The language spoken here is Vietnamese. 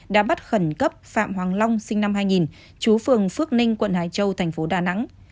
đã bắt khẩn cấp phạm hoàng long sinh năm hai nghìn chú phường phước ninh quận hải châu thành phố đà nẵng